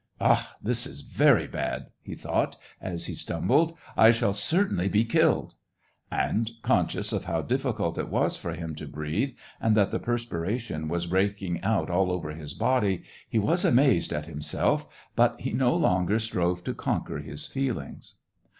"Ah! this is very bad!" he thought, as he stumbled. " I shall certainly be killed !" And, conscious of how difficult it was for him to breathe, and that the perspiration was break ing out all over his body, he was amazed at himself, but he no longer strove to conquer his feelings.